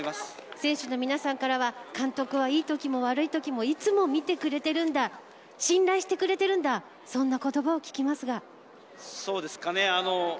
選手の皆さんからは監督は良いときも悪いときもいつも見てくれているんだ信頼してくれているんだそうですかね。